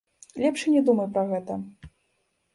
Лепш і не думай пра гэта.